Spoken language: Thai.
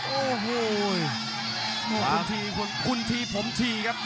โอ้โหคุณทีคุณทีผมทีครับ